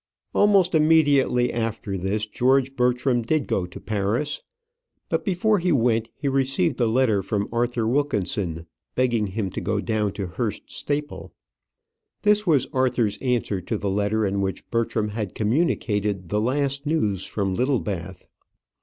Almost immediately after this George Bertram did go to Paris; but before he went he received a letter from Arthur Wilkinson, begging him to go down to Hurst Staple. This was Arthur's answer to the letter in which Bertram had communicated the last news from Littlebath.